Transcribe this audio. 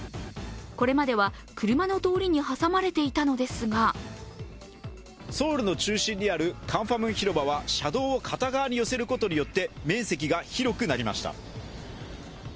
これまでは車の通りに挟まれていたのですがソウルの中心にあるクァンファムン広場は車道を片側に寄せることによって面積が広くなりました。